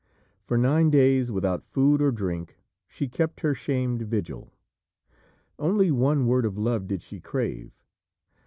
For nine days, without food or drink, she kept her shamed vigil. Only one word of love did she crave.